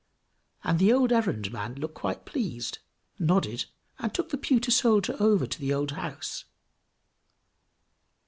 And the old errand man looked quite pleased, nodded, and took the pewter soldier over to the old house.